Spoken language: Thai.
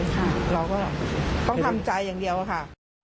ค่ะเราก็ต้องทำใจอย่างเดียวค่ะ